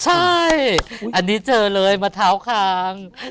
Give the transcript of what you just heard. ใช่อันนี้เจอเลยมะเท้าคาง